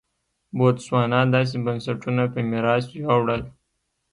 بوتسوانا داسې بنسټونه په میراث یووړل.